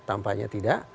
yang keempat tidak